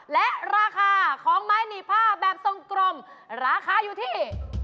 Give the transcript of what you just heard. และราคาของไม้หนีผ้าแบบทรงกลมราคาอยู่ที่